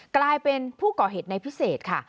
กลายเป็นผู้ก่อเหตุในพิเศษค่ะ